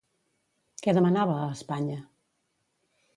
Què demanava a Espanya?